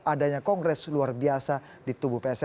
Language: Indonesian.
adanya kongres luar biasa di tubuh pssi